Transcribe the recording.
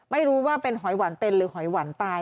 ไม่รู้ว่าเป็นหอยหวานเป็นหรือหอยหวานตาย